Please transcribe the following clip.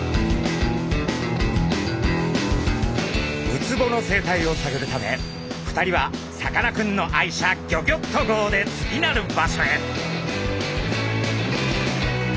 ウツボの生態をさぐるため２人はさかなクンの愛車ギョギョッと号で次なる場所へ。